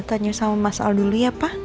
tanya sama mas al dulu ya pak